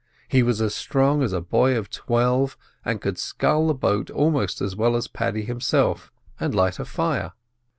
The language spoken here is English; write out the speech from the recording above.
He was as strong as a boy of twelve, and could scull the boat almost as well as Paddy himself, and light a fire.